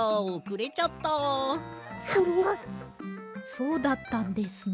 そうだったんですね。